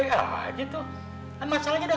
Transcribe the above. tambah garam tambah kecap udahnya tambah deh penyedap